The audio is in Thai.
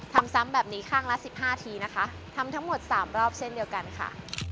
ทำซ้ำแบบนี้ข้างละ๑๕ทีนะคะทำทั้งหมด๓รอบเช่นเดียวกันค่ะ